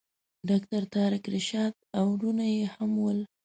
ډاکټر طارق رشاد او وروڼه یې هم ول.